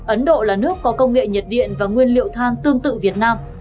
ấn độ là nước có công nghệ nhiệt điện và nguyên liệu than tương tự việt nam